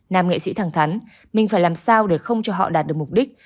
nam nghệ sĩ thẳng thắn mình phải làm sao để không cho họ đạt được mục đích